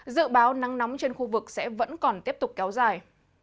dự báo nắng nóng trên khu vực sẽ vẫn còn tiếp tục kéo dài